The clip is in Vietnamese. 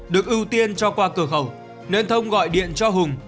được ưu tiên cho qua cửa khẩu nên thông gọi điện cho hùng